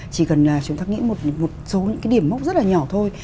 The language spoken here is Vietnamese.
chỉ cần chúng ta nghĩ một số những cái điểm mốc rất là nhỏ thôi